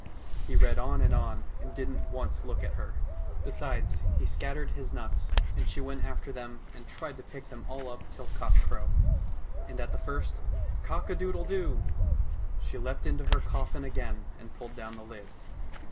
He read on and on, and didn't once look at her. Besides, he scattered his nuts, and she went after them and tried to pick them all up till cockcrow. And at the first " Cock a doodle doo !" she leaped into her coffin again and pulled down the lid.